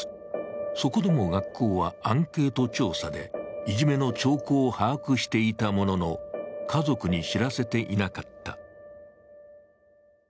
そこでも学校は、アンケート調査でいじめの兆候を把握していたものの、家族に知らせていなかった。